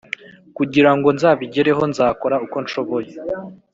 kugira ngo nzabigereho nzakora uko nshoboye.